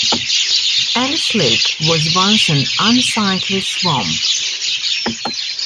Ellis Lake was once an unsightly swamp.